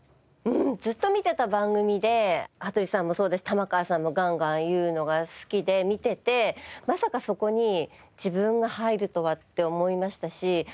ずっと見てた番組で羽鳥さんもそうだし玉川さんもガンガン言うのが好きで見ててまさかそこに自分が入るとはって思いましたし